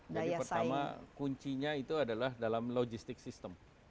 jadi pertama kuncinya itu adalah dalam logistik sistem